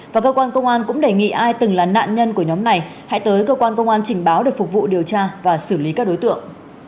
và cơ quan công an cũng đề nghị ai từng là nạn nhân của nhóm này hãy tới cơ quan công an trình báo để phục vụ điều tra và xử lý các đối tượng